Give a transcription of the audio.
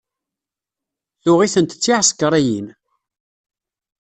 Tuɣ-itent d tiεsekriyin.